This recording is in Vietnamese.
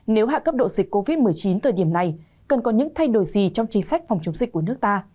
nếu hạ cấp độ dịch covid một mươi chín thời điểm này cần có những thay đổi gì trong chính sách phòng chống dịch của nước ta